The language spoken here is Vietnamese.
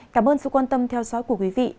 cảm ơn sự quan tâm theo dõi của quý vị